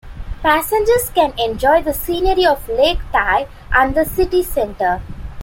Passengers can enjoy the scenery of Lake Tai and the city center.